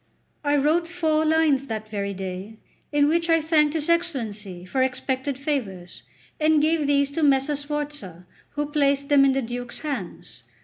I wrote four lines that very day, in which I thanked his Excellency for expected favours, and gave these to Messer Sforza, who placed them in the Duke's hands.